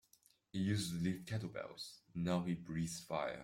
He used to lift kettlebells now he breathes fire.